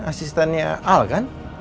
asistannya al kan